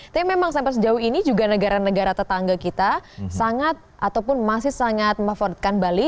tapi memang sampai sejauh ini juga negara negara tetangga kita sangat ataupun masih sangat memfavoritkan bali